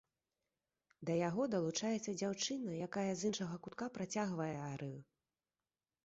Да яго далучаецца дзяўчына, якая з іншага кутка працягвае арыю.